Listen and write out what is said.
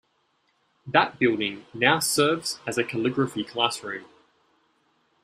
That building now serves as a calligraphy classroom.